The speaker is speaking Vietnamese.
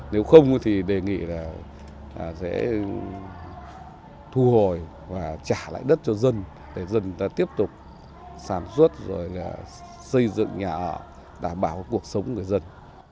nếu không thì đề nghị là sẽ thu hồi và trả lại đất cho dân để dân ta tiếp tục sản xuất rồi là xây dựng nhà ở đảm bảo cuộc sống người dân